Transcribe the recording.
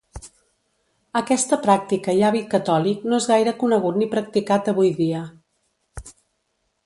Aquesta pràctica i hàbit catòlic no és gaire conegut ni practicat avui dia.